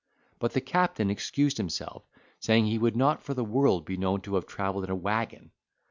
But the Captain excused himself, saying, he would not for all the world be known to have travelled in a waggon!